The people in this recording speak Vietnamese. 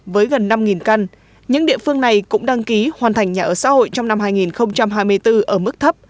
với gần năm căn những địa phương này cũng đăng ký hoàn thành nhà ở xã hội trong năm hai nghìn hai mươi bốn ở mức thấp